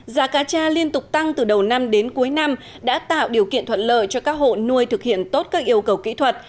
giá cá cha liên tục tăng từ đầu năm đến cuối năm đã tạo điều kiện thuận lợi cho các hộ nuôi thực hiện tốt các yêu cầu kỹ thuật